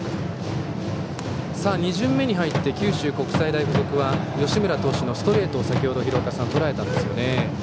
２巡目に入って九州国際大付属は吉村投手のストレートを先程、とらえたんですよね。